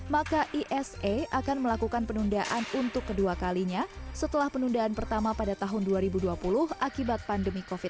maka esa akan melakukan penundaan untuk kedua kalinya setelah penundaan pertama pada tahun dua ribu dua puluh akibat pandemi covid sembilan belas